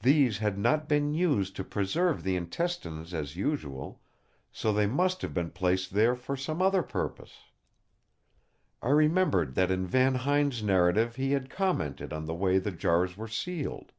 These had not been used to preserve the intestines as usual, so they must have been placed there for some other purpose. I remembered that in Van Huyn's narrative he had commented on the way the jars were sealed.